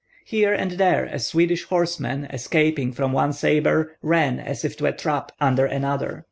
Here and there a Swedish horseman, escaping from one sabre, ran, as if to a trap, under another.